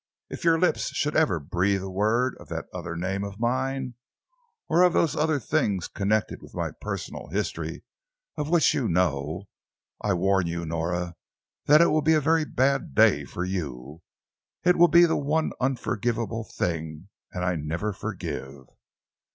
If your lips should ever breathe a word of that other name of mine, or of those other things connected with my personal history of which you know, I warn you, Nora, that it will be a very bad day for you. It will be the one unforgivable thing, and I never forgive."